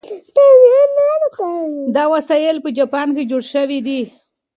دا وسایل په جاپان کې جوړ شوي دي.